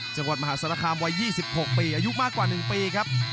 จังหวัดมหาศาลคามวัย๒๖ปีอายุมากกว่า๑ปีครับ